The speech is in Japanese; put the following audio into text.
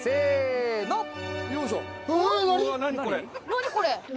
何これ。